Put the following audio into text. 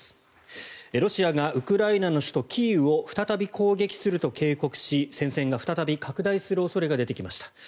ロシアがウクライナの首都キーウを再び攻撃すると警告し戦線が再び拡大する恐れが出てきました。